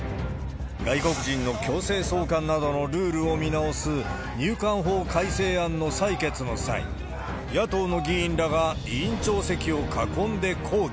外国人の強制送還などのルールを見直す入管法改正案の採決の際、野党の議員らが委員長席を囲んで抗議。